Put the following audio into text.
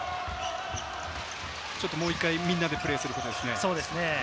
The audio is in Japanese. ちょっともう１回みんなでプレーすることですね。